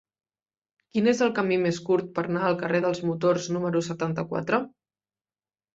Quin és el camí més curt per anar al carrer dels Motors número setanta-quatre?